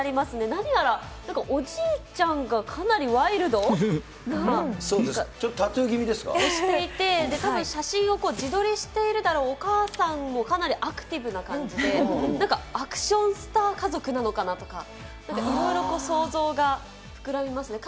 何やら、なんかおじいちゃんがかそうです、それでいて、たぶん写真を自撮りしているだろうお母さんもかなりアクティブな感じで、なんかアクションスター家族なのかなとか、なんかいろいろ想像が膨らみますね。